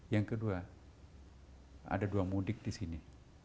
yang kedua ada dua mudik di sini